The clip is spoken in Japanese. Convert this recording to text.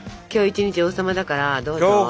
今日一日王様だからどうするの？